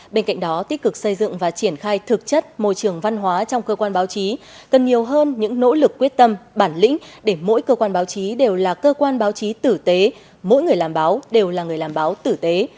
bên cạnh đó tích cực xây dựng và triển khai thực chất môi trường văn hóa trong cơ quan báo chí cần nhiều hơn những nỗ lực quyết tâm bản lĩnh để mỗi cơ quan báo chí đều là cơ quan báo chí tử tế mỗi người làm báo đều là người làm báo tử tế